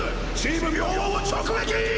チーム明王を直撃！